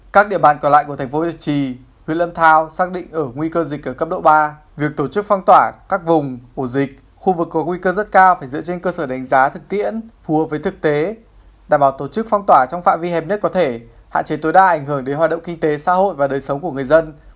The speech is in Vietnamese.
các địa bàn còn lại của thành phố việt trì huyện lâm thao xác định ở nguy cơ dịch ở cấp độ ba việc tổ chức phong tỏa các vùng ổ dịch khu vực có nguy cơ rất cao phải dựa trên cơ sở đánh giá thực tiễn phù hợp với thực tế đảm bảo tổ chức phong tỏa trong phạm vi hẹp nhất có thể hạn chế tối đa ảnh hưởng đến hoạt động kinh tế xã hội và đời sống của người dân